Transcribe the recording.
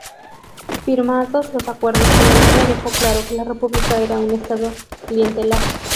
Firmados los acuerdos, Alemania dejó claro que la república era un estado clientelar.